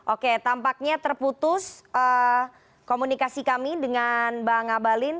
oke tampaknya terputus komunikasi kami dengan bang abalin